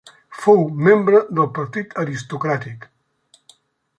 Fou membre del partit aristocràtic.